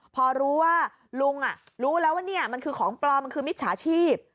พอรู้ว่าลุงรู้แล้วว่านี่มันคือของปลอมมันคือมิจฉาชีพ